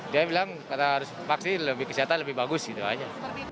dia bilang vaksin lebih kesehatan lebih bagus gitu aja